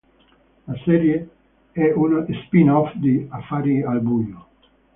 La serie è uno spin-off di "Affari al buio".